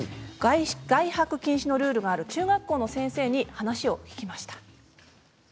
外泊禁止のルールがある中学校の先生に話を聞きました。